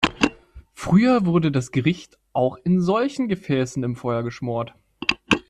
Früher wurde das Gericht auch in solchen Gefäßen im Feuer geschmort.